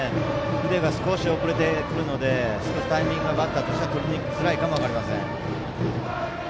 腕が少し遅れてくるので少しタイミングがバッターとしてはとりづらいかも分かりません。